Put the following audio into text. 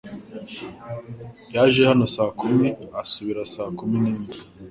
Yaje hano saa kumi asubira saa kumi n'imwe.